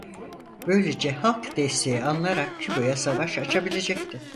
Böylece halk desteği alınarak Küba'ya savaş açılabilecekti.